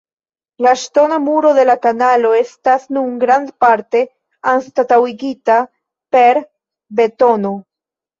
La ŝtona muro de la kanalo estas nun grandparte anstataŭigita per betono.